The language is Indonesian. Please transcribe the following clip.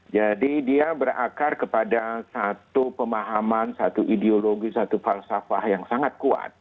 jadi dia berakar kepada satu pemahaman satu ideologi satu falsafah yang sangat kuat